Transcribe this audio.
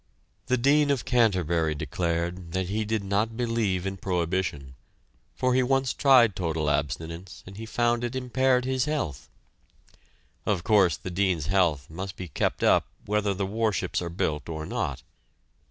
The Dean of Canterbury declared that he did not believe in prohibition, for he once tried total abstinence and he found it impaired his health. Of course the Dean's health must be kept up whether the warships are built or not.